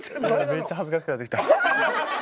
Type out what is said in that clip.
めっちゃ恥ずかしくなってきた。